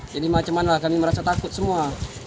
jadi macam mana kami merasa takut semua